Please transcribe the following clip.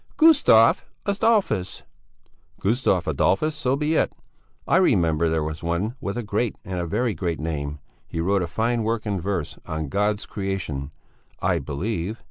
"Gustavus Adolfus." "Gustavus Adolfus, so be it! I remember there was one with a great, a very great name; he wrote a fine work in verse, on God's Creation, I believe!